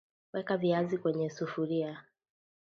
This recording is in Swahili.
Weka viazi kwenye sufuria